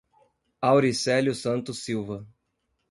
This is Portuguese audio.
Auricelio Santos Silva